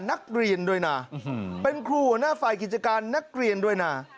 นักเรียนด้วยนะเป็นครูหัวหน้าฝ่ายกิจการนักเรียนด้วยนะ